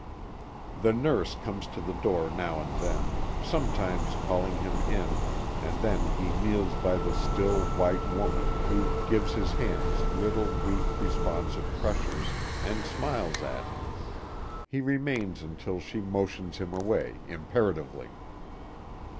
The nurse comes to the door now and then, sometimes calling him in, and then he kneels by the still, white woman, who gives his hands little weak, responsive pressures, and smiles at him. He remains until she motions him away, imperatively.